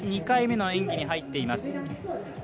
２回目の演技に入っています